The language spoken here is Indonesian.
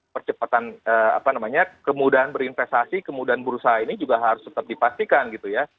percepatan apa namanya kemudahan berinvestasi kemudahan berusaha ini juga harus tetap dipastikan gitu ya